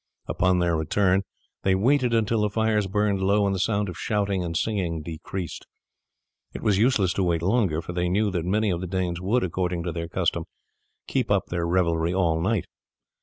Upon their return they waited until the fires burned low and the sound of shouting and singing decreased. It was useless to wait longer, for they knew that many of the Danes would, according to their custom, keep up their revelry all night.